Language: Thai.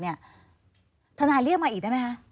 ทนายเรียกมาอีกได้ไหมคะ